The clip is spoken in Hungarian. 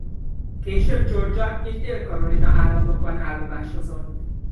Később Georgia és Dél-Karolina államokban állomásozott.